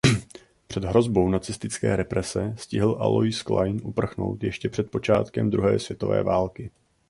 Před hrozbou nacistické represe stihl Alois Klein uprchnout ještě před počátkem druhé světové války.